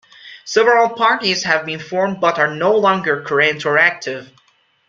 Several parties have been formed but are no longer current or active.